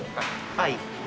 はい。